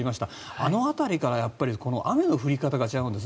あの辺りからこの雨の降り方が違うんです。